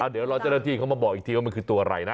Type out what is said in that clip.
เดี๋ยวรอเจ้าหน้าที่เขามาบอกอีกทีว่ามันคือตัวอะไรนะ